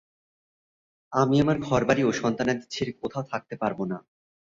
আমি আমার ঘরবাড়ি ও সন্তানাদি ছেড়ে কোথাও থাকতে পারব না।